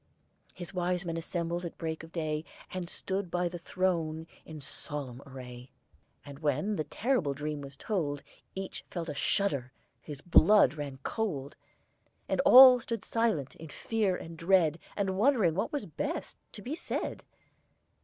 His wisemen assembled at break of day, And stood by the throne in solemn array. And when the terrible dream was told, Each felt a shudder, his blood ran cold, And all stood silent, in fear and dread, And wondering what was best to be said.